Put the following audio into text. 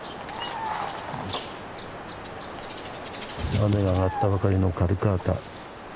雨があがったばかりのカルカータ。